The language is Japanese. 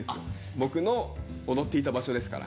僕の踊っていた場所ですから。